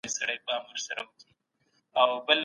خپل توان وپېژنئ.